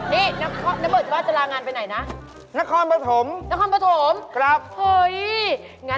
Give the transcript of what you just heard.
นี่น้องเบิร์ดว่าจะลางานไปไหนนะ